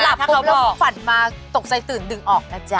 หลับปุ๊บเราฝันมาตกใจตื่นดึงออกนะจ๊ะ